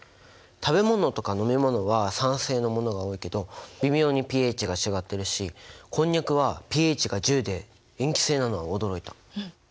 食べ物とか飲み物は酸性のものが多いけど微妙にｐＨが違ってるしこんにゃくはｐＨが１０で塩基性なのは驚いた！